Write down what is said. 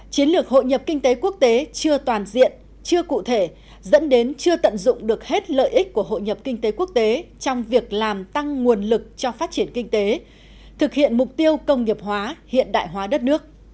chiến lược hội nhập kinh tế quốc tế chưa toàn diện chưa cụ thể dẫn đến chưa tận dụng được hết lợi ích của hội nhập kinh tế quốc tế trong việc làm tăng nguồn lực cho phát triển kinh tế thực hiện mục tiêu công nghiệp hóa hiện đại hóa đất nước